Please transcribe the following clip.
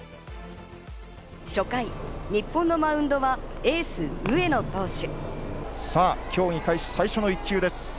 初回、日本のマウンドはエース・上野投手。